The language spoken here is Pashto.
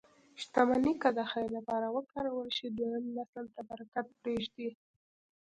شتمني که د خیر لپاره وکارول شي، دویم نسل ته برکت پرېږدي.